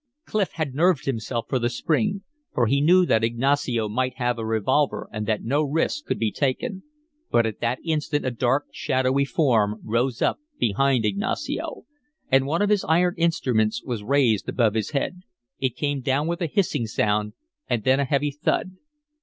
Clif had nerved himself for the spring; for he knew that Ignacio might have a revolver and that no risks could be taken. But at that instant a dark, shadowy form rose up behind Ignacio. And one of his own iron instruments was raised above his head. It came down with a hissing sound, and then a heavy thud.